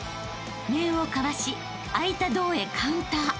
［面をかわし空いた胴へカウンター］